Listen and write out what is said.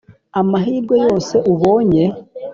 amahirwe yose ubonye.